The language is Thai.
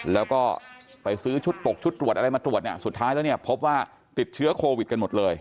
แล้วก็ไปซื้อชุดตกชุดตรวจอะไรมาตรวจเนี่ยสุดท้ายแล้วเนี่ยพบว่าติดเชื้อโควิดกันหมดเลย